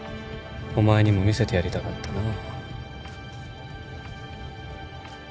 お前にも見せてやりたかったな。